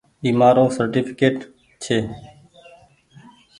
اي مآرو سرٽيڦڪيٽ ڇي۔